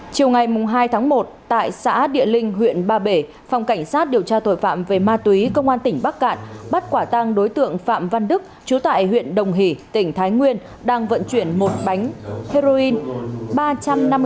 chiều ngày mùng hai tháng một tại xã địa linh huyện ba bể phòng cảnh sát điều tra tội phạm về ma túy công an tỉnh bắc cạn bắt quả tang đối tượng phạm văn đức chú tại huyện đồng hỷ tỉnh thái nguyên đang vận chuyển một bánh heroin ba trăm năm mươi chín một mươi bốn gram